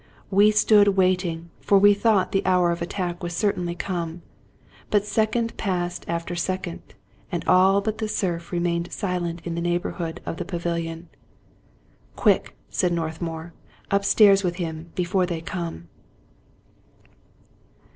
So we stood waiting, for we thought the hour of attack was certainly come ; but second passed after second, and all but the surf remained silent in the neighborhood of the pavilion. " Quick," said Northmour ;" upstairs with him before they come."